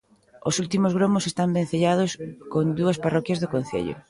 Os últimos gromos están vencellados con dúas parroquias do concello.